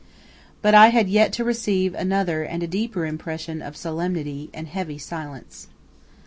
But I had yet to receive another and a deeper impression of solemnity and heavy silence.